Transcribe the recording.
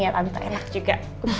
tante enak juga